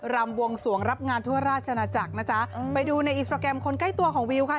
รำบวงสวงรับงานทั่วราชนาจักรนะจ๊ะไปดูในอินสตราแกรมคนใกล้ตัวของวิวค่ะ